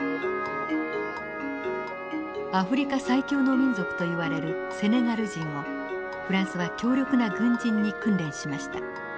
アフリカ最強の民族といわれるセネガル人をフランスは強力な軍人に訓練しました。